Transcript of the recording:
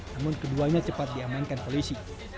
namun keduanya cepat diamankan polisi